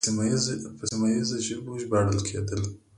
په سیمه ییزو ژبو ژباړل کېدل